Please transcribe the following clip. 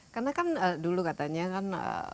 karena kan dulu katanya kan